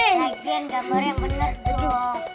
nah geng gambarnya bener dong